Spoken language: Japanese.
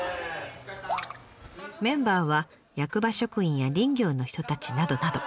メンバーは役場職員や林業の人たちなどなど。